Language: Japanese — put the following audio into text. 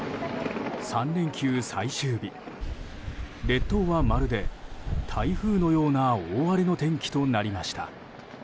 列島はまるで台風のような大荒れの天気となりました。